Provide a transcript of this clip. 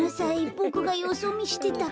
ボクがよそみしてたから。